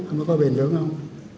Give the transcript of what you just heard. không có bền vững không